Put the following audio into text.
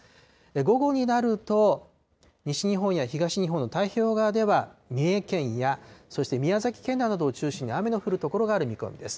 午後になると、西日本や東日本の太平洋側では、三重県や、そして宮崎県内などを中心に雨の降る所がある見込みです。